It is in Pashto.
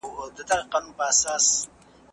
حضرت علي څنګه د رسول الله پسې ورغی؟